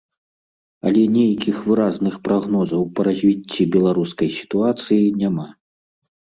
Але нейкіх выразных прагнозаў па развіцці беларускай сітуацыі няма.